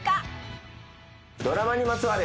ドラマにまつわる。